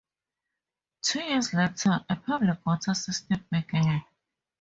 Two years later a public water system began.